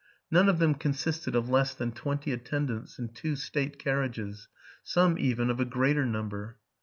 None of them consisted of less than twenty attendants and two state carriages, — some, even, of a greater number.